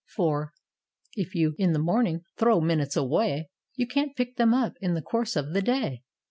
For "If you in the morning Tlirow minutes away, You can't pick them up In the course of the day.